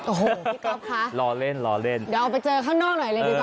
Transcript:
โอ้โหพี่ก๊อฟคะรอเล่นรอเล่นเดี๋ยวไปเจอข้างนอกหน่อยเลยดีกว่า